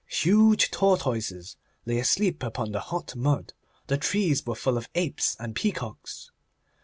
Huge tortoises lay asleep upon the hot mud. The trees were full of apes and peacocks.